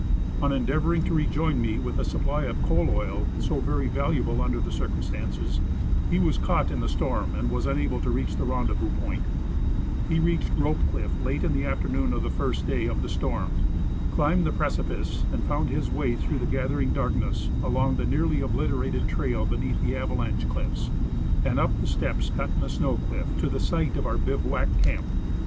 On endeavoring to rejoin me with the supply of coal oil, so very valuable under the circumstances, he was caught in the storm and was unable to reach the rendezvous appointed. He reached Rope cliff late in the afternoon of the first day of the s.torm, climbed the precipice, and found his Avay through the gathering darkness, along the nearly obliterated trail beneath the avalanche cliffs, and up the steps cut in the snow cliff, to the site of our bivouac camp.